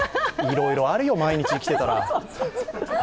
いろいろあるよ、毎日、生きてたら。